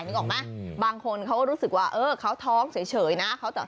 นึกออกไหมบางคนเขาก็รู้สึกว่าเออเขาท้องเฉยนะ